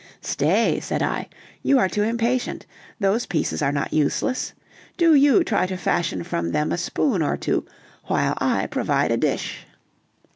"Stay," said I; "you are too impatient, those pieces are not useless. Do you try to fashion from them a spoon or two while I provide a dish."